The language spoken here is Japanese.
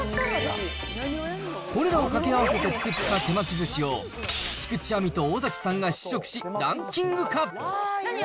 これらを掛け合わせて作った手巻きずしを、菊地亜美と尾崎さんが試食し、ランキング化。